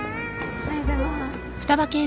おはようございます。